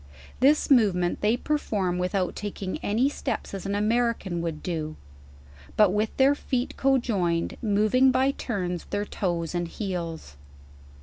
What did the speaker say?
This movement they perform without taking any steps as an American would do, but with their feet conjoined, mov ing by turns their toes and heels.